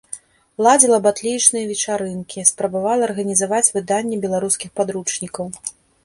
Ладзіла батлеечныя вечарынкі, спрабавала арганізаваць выданне беларускіх падручнікаў.